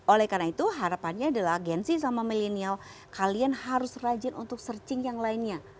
oleh karena itu harapannya adalah agensi sama milenial kalian harus rajin untuk searching yang lainnya